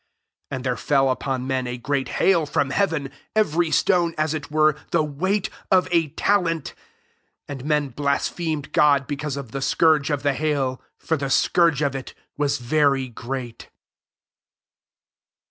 21 And there fell upon men a great hail from heaven, every ttone^ as it were, the weight of a talent : and men blasphemed God because of the scourge of the hail; for the scourge of it was very great.